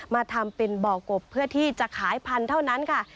มาทำเป็นบ่อกบเพื่อที่จะขายพันธุ์เท่านั้นค่ะ